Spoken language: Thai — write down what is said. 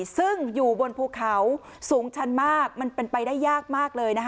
ซึ่งอยู่บนภูเขาสูงชันมากมันเป็นไปได้ยากมากเลย